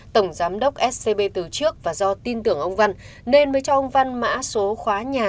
tổng giám đốc scb từ trước và do tin tưởng ông văn nên mới cho ông văn mã số khóa nhà